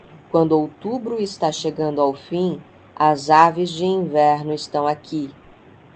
Quando outubro está chegando ao fim, as aves de inverno estão aqui.